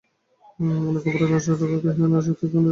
অনেকক্ষণ পরে রাজলক্ষ্মী কহিলেন, আজ রাত্রে তো এখানেই আছিস?